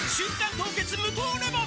凍結無糖レモン」